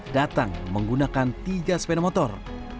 datang menggunakan tiga sepeda motor